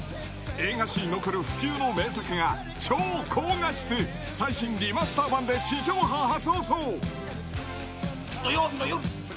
映画史に残る不朽の名作が超高画質最新リマスター版で地上波初放送。